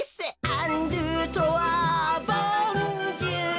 「アンドゥトロワボンジュール」